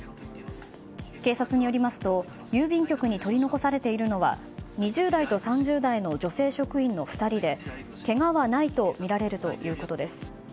警察によりますと郵便局に取り残されているのは２０代と３０代の女性職員の２人でけがはないとみられるということです。